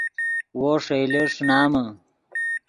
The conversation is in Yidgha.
وو ݰئیلے ݰینامے